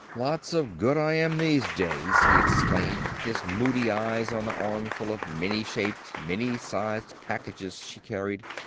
"Lots of good I am these days!" he exclaimed, his moody eyes on the armful of many shaped, many sized packages she carried.